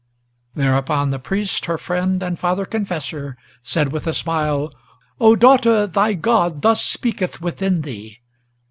Thereupon the priest, her friend and father confessor, Said, with a smile, "O daughter! thy God thus speaketh within thee!